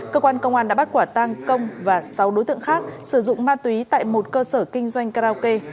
cơ quan công an đã bắt quả tang công và sáu đối tượng khác sử dụng ma túy tại một cơ sở kinh doanh karaoke